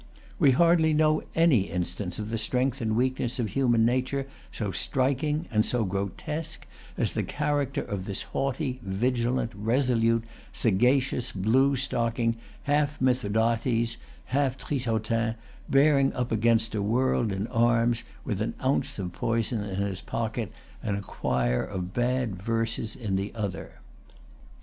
We hardly know any instance of the strength and weakness of human nature so striking, and so grotesque, as the character of this haughty, vigilant, resolute, sagacious blue stocking, half Mithridates and half Trissotin, bearing up against a world in arms, with an ounce of poison in one pocket and a quire of bad verses in the other.